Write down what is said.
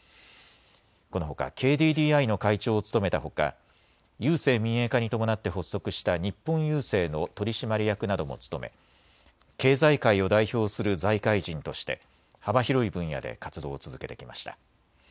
このほかＫＤＤＩの会長を務めたほか郵政民営化に伴って発足した日本郵政の取締役なども務め経済界を代表する財界人として幅広い分野で活動を続けてきました。